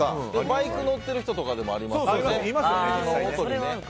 バイク乗ってる人とかもいますよね、実際。